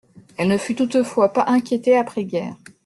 Elle ne fut toutefois pas inquiétée après-guerre.